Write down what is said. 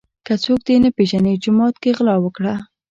ـ که څوک دې نه پیژني جومات کې غلا وکړه.